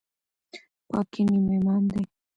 پاکي نیم ایمان دی